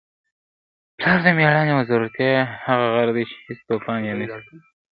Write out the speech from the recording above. پلار د مېړانې او زړورتیا هغه غر دی چي هیڅ توپان یې نسي لړزولی.